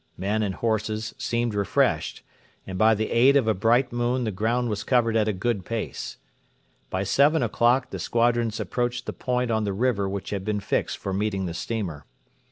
Men and horses seemed refreshed, and by the aid of a bright moon the ground was covered at a good pace. By seven o'clock the squadrons approached the point on the river which had been fixed for meeting the steamer.